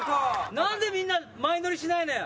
なんでみんな前乗りしないのよ。